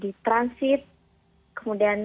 di transit kemudian